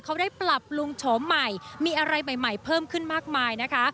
เขาได้ปรับปรุงโฉมใหม่มีอะไรใหม่เพิ่มขึ้นมากมายนะคะ